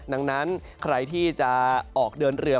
ดังนั้นใครที่จะออกเดินเรือ